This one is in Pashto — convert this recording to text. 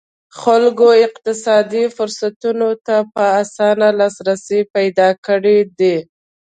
خلکو اقتصادي فرصتونو ته په اسانه لاسرسی پیدا کړی دی.